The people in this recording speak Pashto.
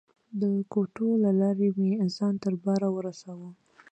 د کوټو له لارې مې ځان تر باره ورساوه.